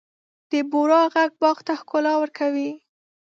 د بورا ږغ باغ ته ښکلا ورکوي.